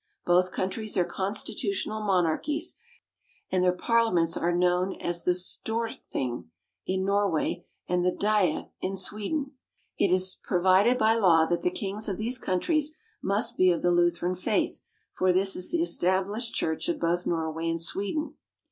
Both countries are constitutional monarchies, and their Parliaments are known as the Storthing, in Norway, and the Diet, in Sweden. It is provided by law that the Kings of these countries must be of the Lutheran faith, for this is the established church of both Nor way and Sweden.